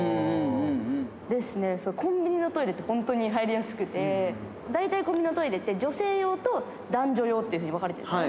ですね、コンビニのトイレって、本当に入りやすくて、大体コンビニのトイレって女性用と男女用というふうに分かれてるんですね。